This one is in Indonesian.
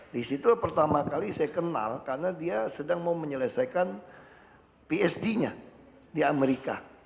di situ pertama kali saya kenal karena dia sedang mau menyelesaikan psd nya di amerika